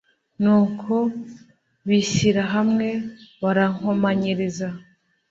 Nuko bishyira hamwe barankomanyiriza